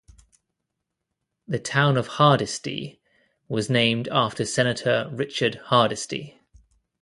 The Town of Hardisty was named after Senator Richard Hardisty.